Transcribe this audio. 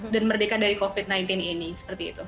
dan merdeka dari covid sembilan belas ini